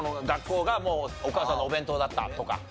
学校がもうお母さんのお弁当だったとか。